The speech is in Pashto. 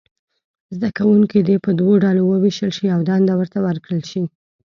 زده کوونکي دې په دوو ډلو وویشل شي او دنده ورته ورکړل شي.